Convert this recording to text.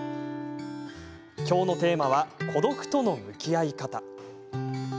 今日のテーマは孤独との向き合い方。